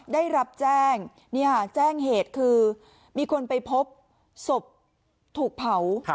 ได้รับแจ้งแจ้งเหตุคือมีคนไปพบศพถูกเผา